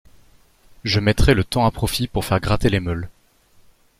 Je mettrai le temps à profit pour faire gratter les meules.